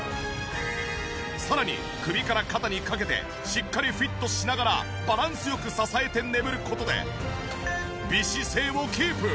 さらに首から肩にかけてしっかりフィットしながらバランス良く支えて眠る事で美姿勢をキープ。